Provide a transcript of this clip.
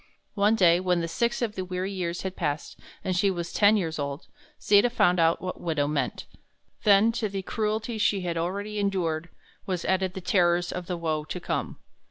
One day when six of the weary years had passed, and she was ten years old, Sita found out what widow meant. Then, to the cruelties she had already endured, was added the terrors of the woe to come.